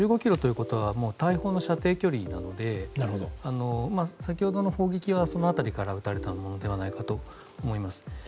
１５ｋｍということは大砲の射程距離なので先ほどの砲撃はその辺りから撃たれたものではないかと思います。